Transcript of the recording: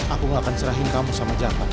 aku gak akan serahin kamu sama jatah